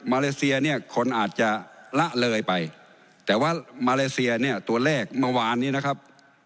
เลเซียเนี่ยคนอาจจะละเลยไปแต่ว่ามาเลเซียเนี่ยตัวเลขเมื่อวานนี้นะครับ